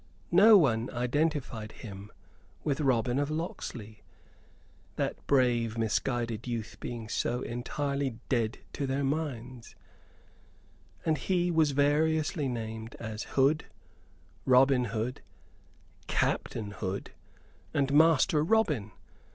No one identified him with Robin of Locksley that brave misguided youth being so entirely dead to their minds and he was variously named as Hood, Robin Hood, Captain Hood, and Master Robin.